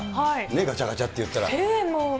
ガチャガチャっていったら。